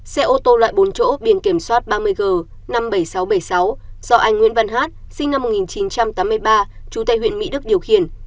xe ô tô loại bốn chỗ biển kiểm soát ba mươi g năm mươi bảy nghìn sáu trăm bảy mươi sáu do anh nguyễn văn hát sinh năm một nghìn chín trăm tám mươi ba trú tại huyện mỹ đức điều khiển